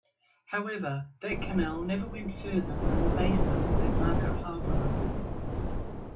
However, that canal never went further than the basin at Market Harborough.